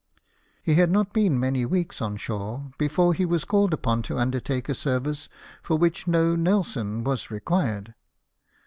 He had not been many weeks on shore before he was called upon to undertake a service for which no Nelson was required.